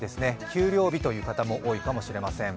給料日という方も多いかもしれません。